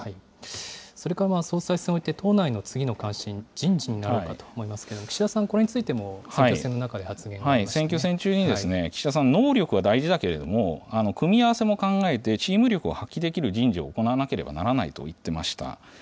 それから総裁選を終えて、党内の次の関心、人事になるかと思いますけれども、岸田さん、これについても総裁選の中で発言があ選挙戦中に、岸田さん、能力は大事だけれども、組み合わせも考えて、チーム力を発揮できる人事を行わなければならないと言っていました。